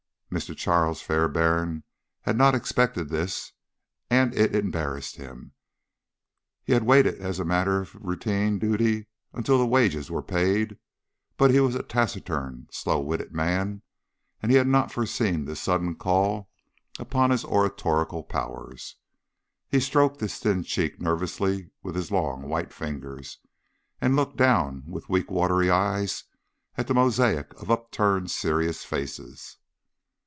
Mr. Charles Fairbairn had not expected this, and it embarrassed him. He had waited as a matter of routine duty until the wages were paid, but he was a taciturn, slow witted man, and he had not foreseen this sudden call upon his oratorical powers. He stroked his thin cheek nervously with his long white fingers, and looked down with weak watery eyes at the mosaic of upturned serious faces.